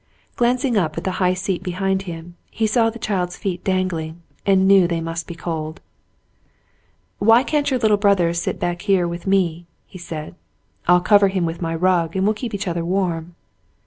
Glanc ing up at the high seat behind him, he saw the child's feet dangling, and knew they must be cold. "Why can't your little brother sit back here with me V he said; "I'll cover him mth my rug, and we'll keep each other warm."